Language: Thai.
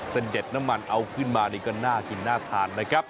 เสด็จน้ำมันเอาขึ้นมานี่ก็น่ากินน่าทานนะครับ